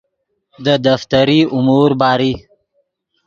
دے دفتری امور باری